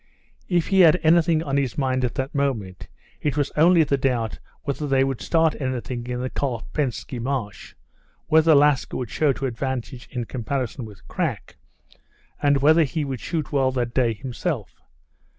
If he had anything on his mind at that moment, it was only the doubt whether they would start anything in the Kolpensky marsh, whether Laska would show to advantage in comparison with Krak, and whether he would shoot well that day himself.